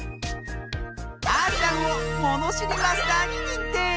あーちゃんをものしりマスターににんてい！